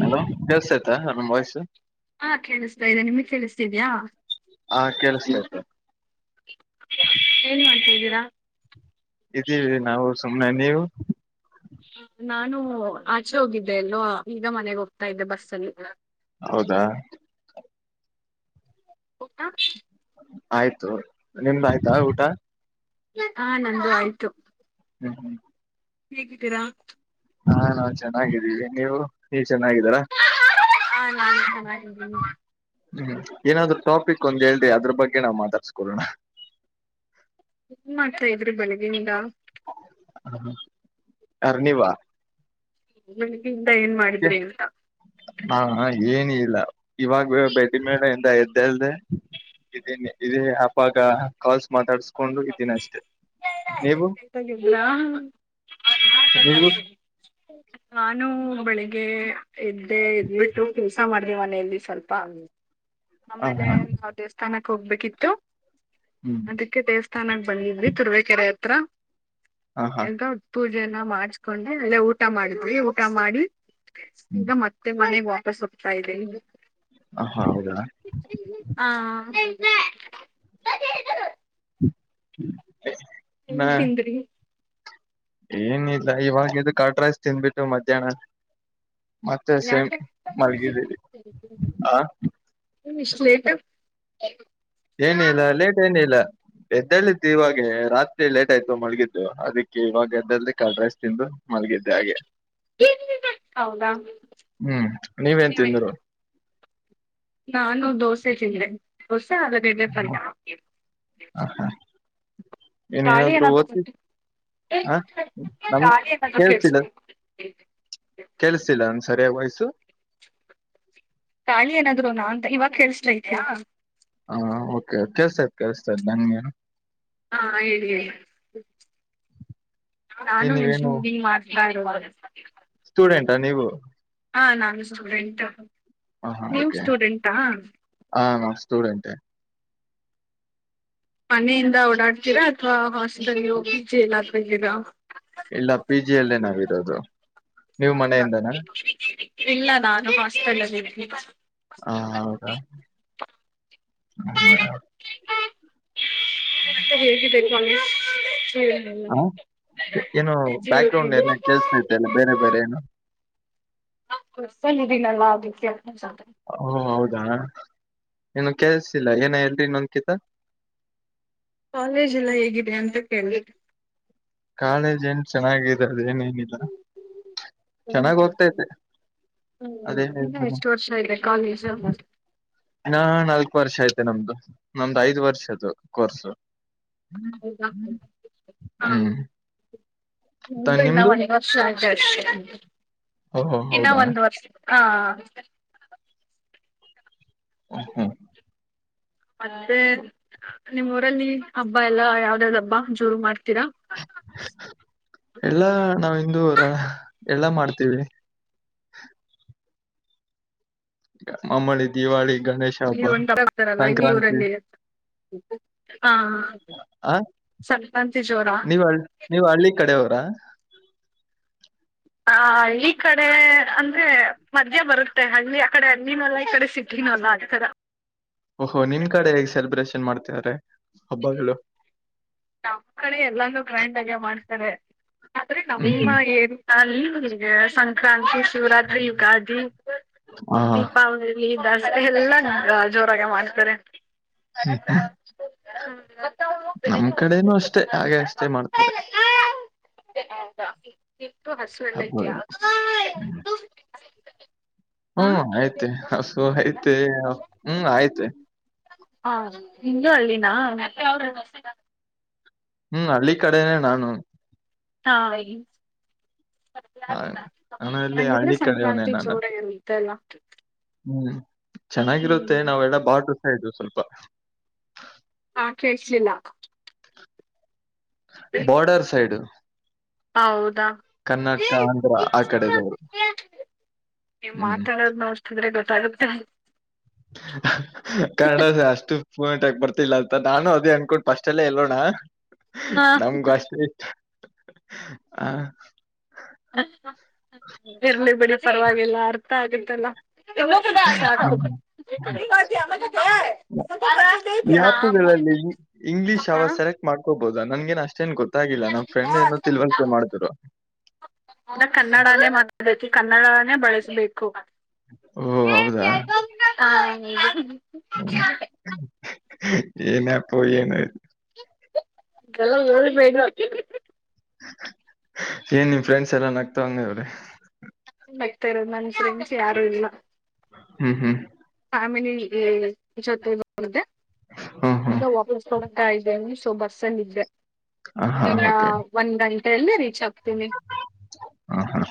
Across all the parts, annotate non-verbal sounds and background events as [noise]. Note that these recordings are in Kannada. ಹಲೋ ಕೇಳ್ಸ್ತಾಯ್ತಾ ನಮ್ ವಾಯ್ಸ್ ಹ ಕೇಳಿಸ್ತಾ ಇದೆ ನಿಮಗ್ ಕೇಳಿಸ್ತ ತಿದ್ಯಾ ಹಾ ಕೇಳುಸತೈತೆ ಏನ್ [unintelligible] ಇದೀವಿ ನಾವು ಸುಮ್ಮ್ನೆ ನೀವು. ನಾನು ಆಚೆ ಹೋಗಿದ್ದೆ ಎಲ್ಲೋ ಈಗ ಮನೆಗೆ ಹೋಗ್ತಾ ಇದ್ದೆ ಬಸ್ಸಲ್ಲಿ. ಹೌದಾ. [unintelligible] ಆಯ್ತು ನಿಮ್ದಾಯಯ್ತಾ ಊಟ. ಹಾ ನಂದು ಆಯ್ತು. [unintelligible] ಹೇಗಿದ್ದೀರಾ. ಹಾ ನಾನು ಚೆನ್ನಾಗಿದ್ದೀವಿ ನೀವು ಚೆನ್ನಾಗಿದ್ದೀರಾ ಹಾ ನಾನ್ ಚೆನ್ನಾಗ್ ಇದೀನಿ ಆ ಏನಾದ್ರೂ ಟಾಪಿಕ್ ಒಂದ್ ಹೇಳ್ರಿ ಅದ್ರ ಬಗ್ಗೆ ನಾವು ಮಾತಾಡ್ಸ್ಕೊಡೋಣ. ಏನ್ ಮಾಡ್ತಾ ಇದ್ರಿ ಬೆಳಗಿನಿಂದ? ಯಾರು ನೀವ. ಬೆಳಿಗ್ಯಿಂದ ಏನ್ ಮಾಡಿದ್ರಿ ಅಂತ. ನಾ ಏನ ಇಲ್ಲ ಇವಾಗ ಬೆಡ್ ಮೇಲೆ ಇಂದ ಎದ್ದು ಹೇಳ್ದೆ. ಇದನ್ ಇದೇ ಹಪಾಗ ಕಾಲ್ಸ್ ಮಾತಾಡ್ಸ್ಕೊಂಡ್ರು ಇದೀನ ಅಷ್ಟೇ. ನೀವು ನೀವು [unintelligible] ನಾನು. ಬೆಳಿಗ್ಗೆ ಎದ್ದೆ ಇದ್ಬಿಟ್ಟು ಕೆಲ್ಸ ಮಾಡ್ದೆ ಮನೆಯಲ್ಲಿ ಸ್ವಲ್ಪ. ಹ ಆಮೇಲೆ ಹಾ ನಾವ್ ದೇವಸ್ಥಾನಕ್ ಹೋಗ್ಬೇಕಿತ್ತು. ಹ್ಮ್ ಅದಕ್ಕೆ ದೇವಸ್ಥಾನಕ್ಕೆ ಬಂದಿದ್ರಿ ತುರುವಕೆರೆ ಹತ್ರ. ಹ ಹಾ ಎಂತ ಪೂಜೆನ ಮಾಡಸ್ಕೊಂಡೆ ಅಲ್ಲೇ ಊಟ ಮಾಡಿದ್ವಿ ಊಟ ಮಾಡಿ. ಹ್ಮ್ ಈಗ ಮತ್ತೆ ಮನೆಗ್ ವಾಪಸ್ ಹೋಗ್ತಾ ಇದೀವಿ. ಹ ಹಾ ಹೌದಾ ಹಾ [unintelligible] ಏನು ನಾ ತಿಂದ್ರಿ. ಏನಿಲ್ಲ ಇವಾಗ ಇದು ಕರ್ಡ್ ರೈಸ್ ತಿಂದ್ಬಿಟ್ಟು ಮಧ್ಯಾಹ್ನ. ಮತ್ತೆ ಸೇಮ್ ಯಾಕೆ ಮಲ್ಗಿದ್ದೀರಿ ಹ. ಏನು ಇಷ್ಟು ಲೇಟು. ಏನ ಇಲ್ಲ ಲೇಟ್ ಏನು ಇಲ್ಲ. ಎದ್ದಳತ್ತು ಇವಾಗ ರಾತ್ರಿ ಲೇಟ್ ಆಯ್ತು ಮಳಗಿದ್ದು ಅದಕ್ಕೆ ಇವಾಗ ಎದ್ದು ಹೇಳಿ, ಕರ್ಡ್ ರೈಸ್ ತಿಂದು. ಮಲಗಿದ್ದೆ ಹಾಗೆ. ಹೌದಾ ಹ್ಮ್ ನೀವೇನ್ ತಿಂದ್ರು. ನಾನು ದೋಸೆ ತಿಂದೆ, ದೋಸೆ ಆಲೂ ಗಡ್ಡೆ ಪಲ್ಯ. ಹ ಏನ ಏನಾದ್ರು ಓದಿ. ಹ ನಮ ಗಾಳಿ ಏನಾದ್ರು ಕೇಳ್ತಿದೇ. ಕೇಳಿಸ್ತಿದ್ಯಾ ಕಲ್ಸಿಲ್ಲ ಒಂದ ಸರಿಯ ವಾಯ್ಸ್. ಗಾಳಿ ಏನಾದ್ರು ನಾ ಅಂತ ಇವಾಗ ಕೇಳ್ತಾ ಇದ್ಯಾ. ಹಾ ಓಕೆ ಕೆಲ್ಸ್ತೈಡ್ ಕೇಳ್ತದೆ ನನ್ಗೆ. ಹಾ ಹೇಳಿ ಹೇಳಿ ನಾನು ಏನ್ ಮಾಡ [unintelligible] [unintelligible] ಸ್ಟೂಡೆಂಟ ನೀವು. ಹ ನಾನು ಸ್ಟೂಡೆಂಟ್ ಹ ಹಾ ನೀವು ಓಕೆ ಸ್ಟೂಡೆಂಟಾ. ಹ ನಾವ್ ಸ್ಟೂಡೆಂಟೆ ಮನೆಯಿಂದ ಓಡಾಡ್ತೀರಾ ಅಥವಾ ಹಾಸ್ಟೆಲ್ ಪಿ ಜಿ ಎಲ್ಲಾದ್ರೂ ಇದೀರ. ಇಲ್ಲ ಪಿ ಜಿ [unintelligible] ನೀವ್ ಮನೆಯಿಂದನಾ ಹೌ ಇಲ್ಲ ನಾನು ಹಾಸ್ಪೆಲ್ಲ್ಲಿದ್ದೀನಿ. ಹಾ ಹೌದಾ [unintelligible] ಮತ್ತೆ ಹೇಗ್ ಇದೆ ಕಾಲೇಜ್. ಜೀವನ ಎಲ್ಲ? ಹ ಏನು ಬ್ಯಾಕ್ ಜೀವನ ಗ್ರೌಂಡ್ ಎಲ್ಲ ಏನ ಕೆೇಳ್ಸತ ತೆ ಬೇರೆ ಬೇರೆ ಏನು. ಬಸಲ್ಲಿ ಇದಿನಲ್ಲ ಅದುಕ್ಕೆ [unintelligible] ಹಓ ಹೌದಾ ನೀನು ಕೆಲ್ಸಿಲ್ಲ ಏನ ಎಲ್ರಿ ಇನ್ನೊಂದಕಿತ ಕಾಲೇಜ ಎಲ್ಲ ಹೇಗಿದೆ ಅಂತ ಕೇಳಿ ಕಾಲೇಜ್ ಏನ್ ಚೆನ್ನಾಗಿದೆ ಅದೇಏನೇಏನಿಲ್ಲ ಹ್ಮ ಹ್ಮ ಅದೇ ಹ್ಮ್ ಇನ್ನ ಎಷ್ಟು ವರ್ಷ ಇದೆ ಕಾಲಸ ನಾ ನಾಲ್ಕು ವರ್ಷ ನಮ್ದು ನಮ್ದು ಐದ್ ವರ್ಷ ಅದು ಕೋರ್ಸು ಹ ಹ್ಮ [unintelligible] ನು ಇನ್ನ ಒಂದ ವರ್ಷ ಆ ಓಹೋ ಇನ್ನ ಹೌದಾ ಒಂದ್ ವರ್ಷ ಹಾ [unintelligible] ಹೂ ಹೂ ಮತ್ತೆ ನಿಮ್ಮ್ ಊರಲ್ಲಿ ಹಬ್ಬ ಎಲ್ಲಾ ಯಾವ್ದ್ ಯಾವ್ದ್ ಹಬ್ಬ ಜೂರು ಮಾಡ್ತ. ಎಲ್ಲ ನಾವಿಂದುರ. ಎಲ್ಲ ಮಾಡ್ತೀವಿ [unintelligible] ಮಮ್ಮಳಿ ದಿವಾಳಿ. ಗಣೇಶ ಹಬ್ಬ ಂಟತಾರಲ್ಲ ಇಲ್ಲಿವರ ಸಂಕ್ರಾಂತಿ [unintelligible] ಹಾ ಆ ಸಂಕ್ರಾಂತಿ ಜೋರಾ ನೀವ್ ಹಳ್ ನೀವ್ ಹಳ್ಳಿ ಕಡೆಯವರಾ ಹ ಹಳ್ಳಿ ಕಡೆ ಅಂದ್ರೆ ಮದ್ಯ ಬರುತ್ತೆ ಹಳ್ಳಿ ಆ ಕಡೆ ಹಳ್ಳ ಮಲ್ಲ ಈ ಕಡೆ ಸಿಟಿ ಇನ್ನಲ್ಲ ಆ್ತರ ಓಹೋ ನಿಮ್ ಕಡೆ ಹೇಗೆ ಸೆಲೆಬ್ರೇಷನ್ ಮಾಡ್ತಿದ್ದಾರೆ ಹಬ್ಬಗಳು? ನಮ್ಮ್ ಕಡೆ ಎಲ್ಲಾನ ಗ್ರ್ಯಾಂಡ್ ಆಾಗ್ಯ ಮಾಡ್ತಾರೆ [unintelligible] ಆದ್ರೆ ಹ್ಮ್ ನಮ್ಮ ಹ್ಮ್ ಏರುತ ಅಲ್ಲಿ ಈಗ ಸಂಕ್ರಾಂತಿ ಶಿವರಾತ್ರಿ ಯುಗಾದಿ ಹಾ ದೀಪಾವಳಿ ಎಲ್ಲ ಜೋರಾಗ ಮಾಡ್ತಾರೆ ಹ್ಮ್ ನಮ್ ಕಡೆನೂ ಅಷ್ಟೇ ಹಾಗೆ ಅಷ್ಟೇ ಮಾಡ್ತಾರೆ [unintelligible] ಟಾ ಇಪ್ಪ ಹಸ್ಬಂಡ ಹಬ್ಬಗಳು. ಹ ಹ್ಮ್ ಆಯ್ತ ಹಸು ಆಯ್ತ ಹ್ಮ್ ಆಯ್ತ ಹಾ ನೀನ್ದು ಹಳ್ಳಿನ ಹ್ಮ್ ಹಳ್ಳಿ ಕಡೆನೆ ನಾನು ಹಾ ಆ ಹಾಗ ನಾನು ಅಲ್ಲಿ ಹಾಗಂಗಿದ್ರೆ ಹಳ್ಳಿ ಕಡೆಯವನೇ ಸಂಕ್ರಾಂತಿ ನಾನು. ಜೋಡ ಇರುತ್ತಲ್ಲ ಹ್ಮ್ ಚೆನ್ನಾಗಿರುತ್ತೆ ಹ್ಮ್ ನಾವೆಲ್ಲ ಬಾಟಸಾ ಇದ್ವು ಸ್ವಲ್ಪ ಆ ಕಿಸಲಿಲ್ಲ ಬೋರ್ಡರ್ ಸೈಡ್ ಹೌದಾ ಕರ್ನಾಟಕ ಆಂಧ್ರ ಆ ಕಡೆದವರು ಹ್ಮ್ ಬತ ಕನ್ನಡಸ ಅಷ್ಟು ಪೂಮಂಟಕ್ ಬರ್ತಿಲ್ಲ ಅಂತ ನಾನು ಅದೇ ಅನ್ಕೊಂಡುಫಸ್ಟ್ ಹೇಳೋಣ ಹಾ ನಮಗು ಅಷ್ಟೇ ಇಷ್ಟ ಹ ಇರ್ಲಿ ಬಿಡಿ ಪರವಾಗಿಲ್ಲ ಅರ್ಥ ಆಗತ್ತಲ್ಲ ಹ್ಮ್. ನ ಯಾಪುಗಳಲ್ಲಿ ಹ ಹೌ ನನ್ಗೆ ಅಷ್ಟೇನ್ ಕೊತ ನ ಕನ್ನಡಲ್ಲೇ ಮಾತಾಬೇಕ ಕನ್ನಡ ಬಳಸಬೇಕು ಓಹ್! ಹ್ಮ್ ಏನಪ್ಪು ಏನು ಎಲ್ಲ ಳ ಏನ್ ನಿಮ್ ಫ್ರೆಂಡ್ಸ್ ಎಲ್ಲ ನಗ್ತವಂಗವ್ರಿ ಬಗ್ತಾ ಇರೋದು ನನ್ ಪ್ರಮಸ ಯಾರು ಇಲ್ಲ ಹ್ಮ್ ಹ್ಮ್.. [inaudible] ಹ್ಮ್, ಹ್ಮ್. ಹತಾ ಇದ್ದ ಸೊ ಬಸ್ಲ್ಲಿ ಇದ್ದೆ ಆಹಾ! ಇನ್ನ ಓಕೆ. ಒಂದ್ ಗಂಟೆಯಲ್ಲಿ ರೀಚ್ ಆಗ್ತ.. ತುಮಿ.. ಹಾಂ, ಹಾಂ.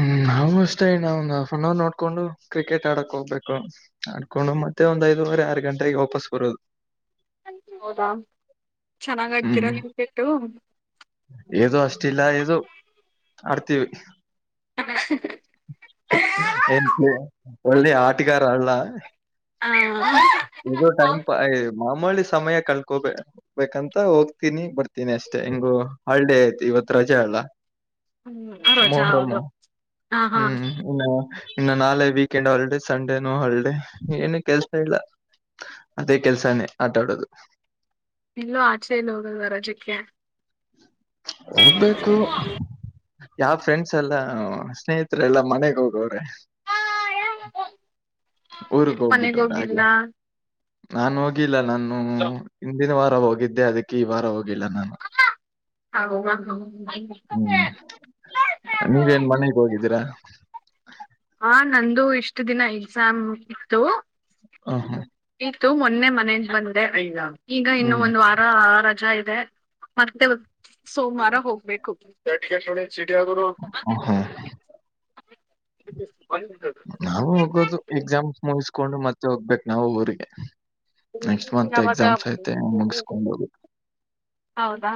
ಹ್ಮ. ನಾವು ಅಷ್ಟೇ ಒ ಹಫ್ ಅನ್ ಅವರ್ ನೋಡ್ಕೊಂಡು ಕ್ರಿಕೆಟ್ ಆಡಕ್ ಹೋಗ್ಬೇಕು ಆಕೊಂಡು ಮತ್ತೆ ಒಂದ್ ಐದು.. ಒವರೆ ಆರು ಗಂಟೆಗೆ ವಾಪಸ್ ಬರೋದು. ಹೌದಾ ಚೆನ್ನಾಗತೀರಾ ಹಟ್ಟು.. ಇದು ಅಷ್ಟಿಲ್ಲ ದು ಆಡ್ತೀವಿ.. ಹ ಏನ್ ಒಳ್ಳೆ ಆಟಗಾರ [inaudible] ಸಮಯ ಕಳ್ಕೋಬಬೇಕಂತ ಹೋಗ್ತೀನಿ ಬರ್ತೀನಿ ಅಷ್ಟೇ ಹಿಂಗು ಹಾಲ್ಡೇ ಆಯ್ತು ಇವತ್ ರಜೆ ಅಲ್ಲ ಹ್ಮ್ ರೋಜ ಮೊಹರಂ ಹೌದು ಹ ಹಾ ಹ್ಮ್ ಇನ್ನು ನಾಳೆ ವೀಕೆಂಡ್ ಹೊಲ್ಡೆ ಸಂಡೇನುೂ ಹೊಲ್ಡೆ ಏನು ಕೆಲ್ಸ ಇಲ್ಲ.. ಅದೇ ಕೆಲ್ಸಾನೇ ಆಟಾಡೋದು.. ಇಲ್ಲೋ ಆಚೇಲ್ಲೋಗ ವರಜಕ್ಕ.. ಹೋಗ್ಬೇಕು. ಯಾವ ಫ್ರೆಂಡ್ಸ್ ಎಲ್ಲ ಸ್ನೇಹಿತರೆ ಎಲ್ಲಾ ಮನೆಗ್ ಹೋಗವ್ರೆ.. ಊರ್ಕ್ ಮನೆಗ್ ಹೋಗ್ಬಿಟ್ಟು ಹೋಗಿಲ್ಲ ಹಾಗೆ ನಾ ಹೋಗಿಲ್ಲ ನನ್.. ಹಲೋ.. ಹಿನ ವಾರ ಹೋಗಿದ್ದೆ ಅದಕ್ಕೆ ಈ ವಾರ ಹೋಗಿಲ್ಲ ನಾನು. ಹ್ಮ್ ನೀವೇನ್ ಮನೆಗ್ ಹೋಗಿದ್ದೀರಾ ಹಾ ನಂದು ಇಷ್ಟ ದಿನ ಎಕ್ಸಾಮ್ ಹ್ಮ್ ಇತ್ತು.. ಮೊನ್ನೆ ಮನೇಜ ಬಂದ್ರೆ ಈಗ ಇನ್ನು ಹ್ಮ್ ಹ್ಮ್ ಒಂದ್ ವಾರ ರಜಾ ಆ.. ಮತ್ತೆ ಸೋಮವಾರ ಹೋಗ್ಬೇಕು.. ಸಟಿ ಆಗರು.. ಹ್ಮ್ ಹ್ಮ. ನಾವವು ಹೋಗೋದು ಎಕ್ಸಾಮ್ಸ್ ಮುಗಿಸ್ಕೊಂಡು ಮತ್ತೆ ಹೋಗ್ಬೇಕಕ್ ನಾವು ಊರಿಗೆ.. ನೆಕ್ಸ್ಟ್ ಮಂತ್ ಯಾವಾಗ ಎಕ್ಸಾಮ್ಸ್ ಐತೆ ಮುಗಸ್ಕೊಂಡ ಹೋಗ.. ಹೌದಾ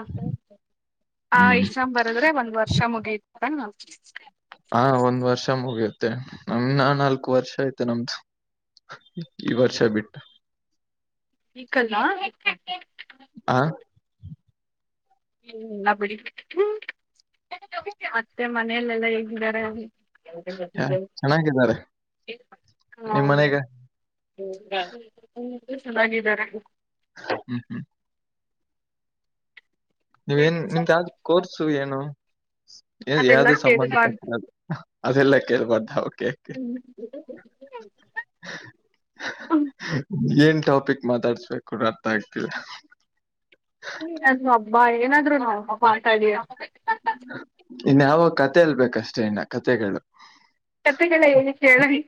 ಆ ಹ್ಮ್. ಇಷ್ಟಾಮ್ ಬರದ್ರೆ ಒಂದ್ ವರ್ಷ ಮುಗಿತ.. ಹ.. ಹಾ ಒಂದ್ ವರ್ಷ ಮುಗಿಯುತ್ತೆ ನಮನಾ ನಾಲ್ಕು ವರ್ಷ ಐ್ತೆ ನಮ್ದು.. ಈ ವರ್ಷ ಬಿಟ್ಟು. ಈ ಕಲ್ಲ. ಹಾ ಹ್ಮಲ್ಲ ಬಿಡಿ ಮತ್ತೆ ಮನೇಲೆಲ್ಲ ಹೇಗಾರ.. ಯ ಚೆನ್ನಾಗಿದ್ದಾರೆ ಹಾ. ನಿಮ್ ಮನೆಗೆ ಹೌದಾ ಚೆನ್ನಾಗಿದ್ದಾರೆ. ಹ ಹ್ಮ್ ಹ್ಮ್. ನೀವೇನ್ ನಿಮ್ದಾವ ಕೋರ್ಸು ಏನು. ಅದೆಲ್ಲ ಯಾವ್ದು ಸಂಬಂಧಪಟ್ಟ ಅದೆಲ್ಲ ಕೇಳ್ಬಾರ್ದಕೆ.. ಹ. ಏನ್. ಟಾಪಿಕ್ ಮಾತಾಡ್ಸ್ಬೇಕು ರರ್ಥ ಆಗ್ತಿದೆ.. ಬಾ ಏನಾದ್ರು ನಾ ಪಾತಾಡ.. ಇನ್ಯಾವ ಕತೆಲ್ಬೇಕಷ್ಟೇ ಇನ್ನ ಕತೆಗಳು.. ಕತೆಗಳ ಹೇಳಿ ಕೇಳಲಿ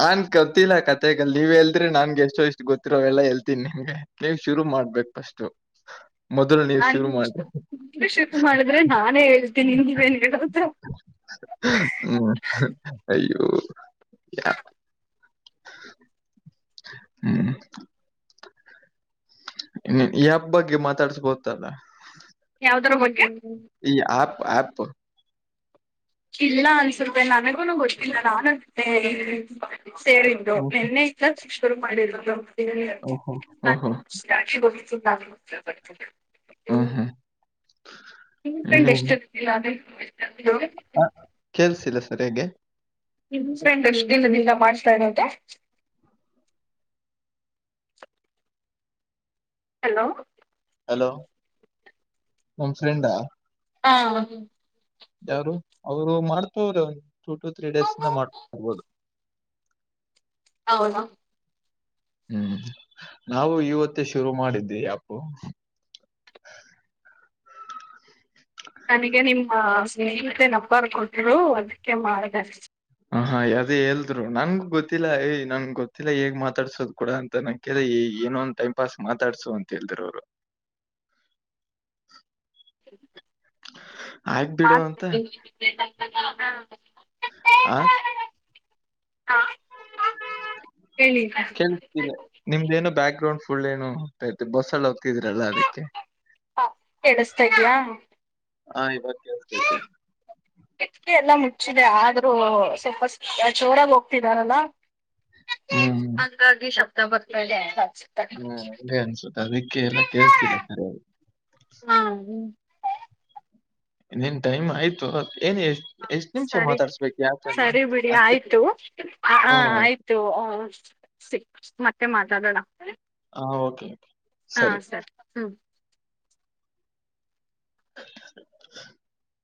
ನನ್ ಗತಿಲ್ಲ ಕತೆಗ ನೀವ ಎಲ್ ನನ್ಗೆ ಎಷ್ಟೋ ಇಷ್ಟ. ಗೊತ್ತಿರೋ ಎಲ್ಲ ಹೇಳ್ತೀನ್ ನಿಮಗೆ ನೀವ್ ಶುರು ಮಾಡ್ಬೇಕಕ್ ಫಸ್ಟ್.. ಮದುರ ನೀ ನಾನ್ ಶುರು ಮಾಡ.. ಶುರು ಮಾಡಿದ್ರೆ ನಾನೇ ಹೇಳ್ತೀನಿ ನೀವೇನ್ ಹೇಳೋದು ಹ್ಮ್.. ಹ್ಮ್.. ಈ ಹಬ್ಬ ಬಗ್ಗೆ ಮಾತಾಡಸಬಹುದಿತ್ತಲ್ಲಾ ಯಾವ್ದಾದ್ರ ಬಗ್ಗೆ ಈ ಆಪ್ ಆಪ್ ಇಲ್ಲ ಅನ್ಸರುಪ ನನಗೂನು ಗೊತ್ತಿಲ್ಲ ನಾನು ಅ ಸೇರಿದ್ರು ಓಹೋ ನಿನ್ನೆ ಇತ ಚಿ ಶುರು ಮಾಡಿರು ಓಹೋ [unintelligible] ಹ್ಮ ಹ್ಮ್ ಹ್ಮ್ [unintelligible] ಹ ಕೇಲ್ಸಿಲ್ಲ ಸರಿಯಾಗಿ ನಿ ಫ್ರೆಂಡ್ ದದಿಂದ ಮಾಡ್ಸ್ತಾನತ್ತ.. ಹಲೋ.. ಹಲೋ ನಮ ಫ್ರೆಂಡಾ. ಹಾ ಯಾರು ಅವರು ಮಾಡ್ತ ಹ್ರೆ ಒಂದ ಟೂ ಟು ತ್ರೀ ಡೇಸ್ ಇಂದ ಮಾಡ್ತಾರ್ಬೋದು ಹೌದು ಹ್ಮ್ ನಾವು ಇವತ್ತೇ ಶುರು ಮಾಡಿದ್ದಿ ಅಪ್ಪ್ [unintelligible] ನೀತೆ ನಪಾರ ಕೊಟರು ಅದಕ್ಕೆ ಮಾಡ ಹ ಹಾ ಅದೇ ಹೇಳದ್ರು ನನ್ಗು ಗೊತ್ತಿಲ್ಲ ಯ್ ನನ್ ಗೊತ್ತಿಲ್ಲ ಹೇಗ್ ಮಾತಾಡ್ಸೋದ್ ಕೂಡ ಅಂತ ನನ್ ಕೇಳ ಈ ಏನೊಂದಂದು ಟೈಮ್ ಪಾಸ್ ಮಾತಾಡ್ಸು ಅಂತ ಹೇಳದ್ರ ಅವರು [unintelligible] ಆಗ್ ಬಿಡು ಅಂತ [unintelligible] ಆ ಹಾ ಹೇಳಿ ಕೇಳ್ತಿಲ್ಲ ನಿಮ್ದೇನು ಬ್ಯಾಕ್ ಗ್ರೌಂಡ್ [unintelligible] ಅದಕ್ಕೆ ಹಾ ಕೇಳಿಸತಾ ಇದೆಯಾ ಹಾ ಇವತ್ತು ಕೇಳ್ತೇತೆ ಕಿಟ್ಕ ಎಲ್ಲ ಮುಚ್ಚಿದೆ ಆದ್ರೂ ಸ್ವಲ್ಪ ಜೋರಾಗಿ ಹೋಗ್ತಿದಾರಲ್ಲ ಹ್ಮ್ ಹಂಗಾಗಿ ಶಬ್ದ ಬರ್ತಾದೆ ಹ್ಮ ಹಗೆ ಅನ್ಸುತ್ತ ಅದಕ್ಕೆ ಎಲ್ಲ ಕೇಳ್ಸ್ತಿಲ್ಲ ಸರಿ ಹಾ ಹ್ಮ್ ನಿಮ್ ಟೈಮ್ ಆಯ್ತು ಏನು ಎಷ್ಟ ಎಷ್ಟ್ ನಿಮಿಷ ಸರಿ ಮಾತಾಡ್ಸ್ಬೇಕು ಯಾಕಲ್ಲ ಸರಿ ಬಿಡಿ ಅ ಆಯ್ತು ಹ್ಮ ಆಯ್ತು ಸಿಕ್ ಮತ್ತೆ ಮಾತಾಡೋಣ ಹ ಓಕೆ ಹಾ ಸರಿ ಹ್ಮ್ [unintelligible]